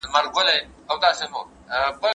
هلک باید د باندې لوبې کړې وای.